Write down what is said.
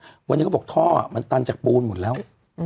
วันนี้เขาบอกท่อมันตันจากปูนหมดแล้ว